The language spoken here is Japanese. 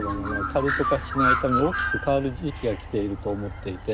カルト化しないために大きく変わる時期が来ていると思っていて。